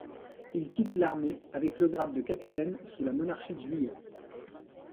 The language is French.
Il quitte l'armée avec le grade de capitaine sous la Monarchie de Juillet.